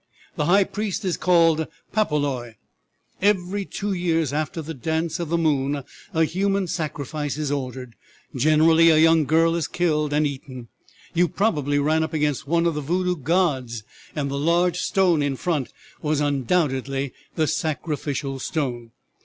The high priest is called Papoloy. Every two years after the dance of the moon a human sacrifice is ordered; generally a young girl is killed and eaten. You probably ran up against one of the Voodoo gods, and the large stone in front was undoubtedly the sacrificial stone.